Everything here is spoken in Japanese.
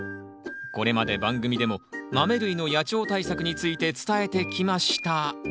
これまで番組でもマメ類の野鳥対策について伝えてきました。